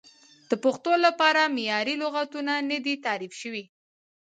د پښتو لپاره معیاري لغتونه نه دي تعریف شوي.